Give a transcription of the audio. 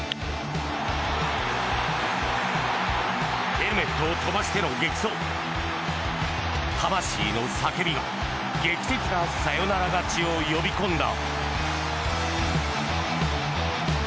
ヘルメットを飛ばしての激走魂の叫びが劇的なサヨナラ勝ちを呼び込んだ。